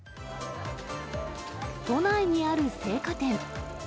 都内にある青果店。